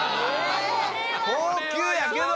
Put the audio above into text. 高級やけど！